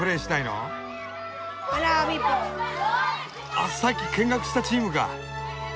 あっさっき見学したチームか！